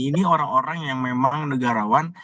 ini orang orang yang memang negarawan